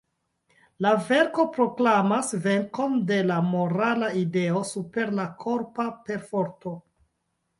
La verko proklamas venkon de la morala ideo super la korpa perforto.